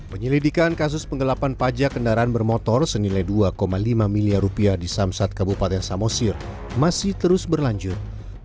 penyelidikan kasus penggelapan pajak kendaraan bermotor senilai dua lima miliar rupiah di samsat kabupaten samosir masih terus berlanjut